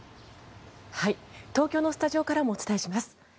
東京のスタジオからもお伝えします。